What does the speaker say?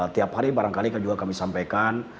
tiap hari barangkali juga kami sampaikan